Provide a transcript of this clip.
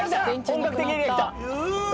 本格的エリア来た。